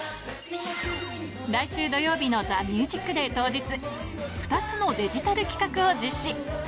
来週土曜日のＴＨＥＭＵＳＩＣＤＡＹ当日、２つのデジタル企画を実施。